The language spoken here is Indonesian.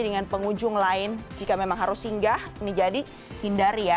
dengan pengunjung lain jika memang harus singgah ini jadi hindari ya